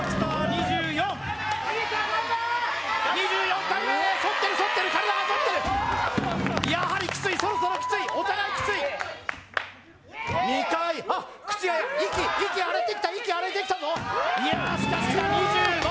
２４２４回目反ってる反ってる体が反ってるやはりきついそろそろきついお互いきつい２回あっ息荒れてきた息荒れてきたぞいやしかしきた２５